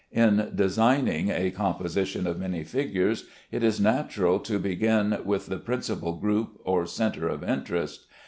In designing a composition of many figures, it is natural to begin with the principal group or centre of interest.